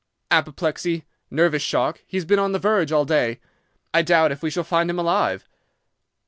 "'Apoplexy. Nervous shock, He's been on the verge all day. I doubt if we shall find him alive.